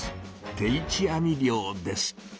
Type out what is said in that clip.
「定置網漁」です。